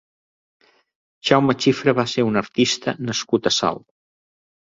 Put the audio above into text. Jauma xifra va ser un artista nascut a Salt.